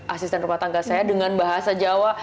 asisten rumah tangga saya dengan bahasa jawa